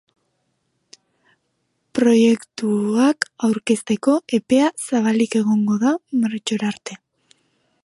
Proiektuak aurkezteko epea zabalik egongo da martxora arte.